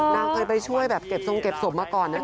นางเคยไปช่วยแบบเก็บทรงเก็บศพมาก่อนนะคะ